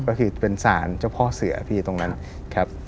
ก็คือเป็นสารเจ้าพ่อเสือพี่ตรงนั้นครับ